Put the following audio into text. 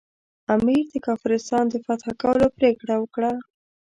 امیر د کافرستان د فتح کولو پرېکړه وکړه.